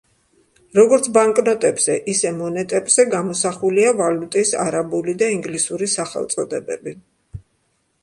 როგორც ბანკნოტებზე, ისე მონეტებზე, გამოსახულია ვალუტის არაბული და ინგლისური სახელწოდებები.